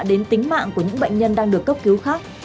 đến tính mạng của những bệnh nhân đang được cấp cứu khác